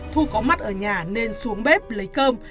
thu có mặt ở nhà nên xuống bếp lấy cơm